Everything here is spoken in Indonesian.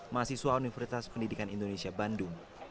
mahasiswa universitas pendidikan indonesia bandung